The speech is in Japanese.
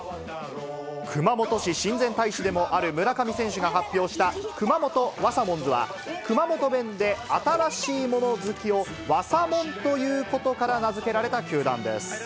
熊本市親善大使でもある村上選手が発表したくまもとワサモンズは、熊本弁で新しいもの好きをワサモンと言うことから名付けられた球団です。